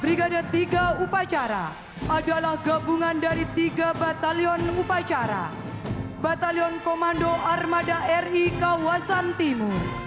brigade tiga upacara adalah gabungan dari tiga batalion upacara batalion komando armada ri kawasan timur